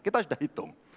kita sudah hitung